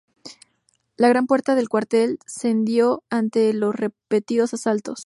La gran puerta del cuartel cedió ante los repetidos asaltos.